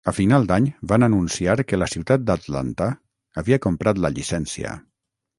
A final d'any van anunciar que la ciutat d'Atlanta havia comprat la llicència.